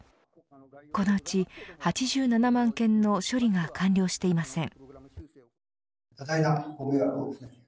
このうち、８７万件の処理が完了していません。